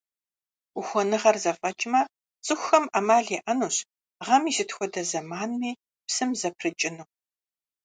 Ухуэныгъэр зэфӀэкӀмэ, цӀыхухэм Ӏэмал яӀэнущ гъэм и сыт хуэдэ зэманми псым зэпрыкӀыну.